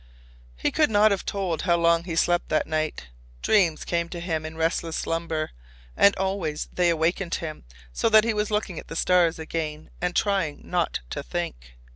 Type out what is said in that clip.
He could not have told how long he slept that night. Dreams came to him in his restless slumber, and always they awakened him, so that he was looking at the stars again and trying not to think.